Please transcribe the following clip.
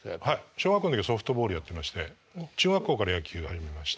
小学校の時はソフトボールやってまして中学校から野球を始めまして。